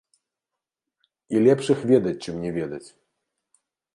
І лепш іх ведаць, чым не ведаць.